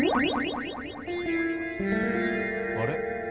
あれ？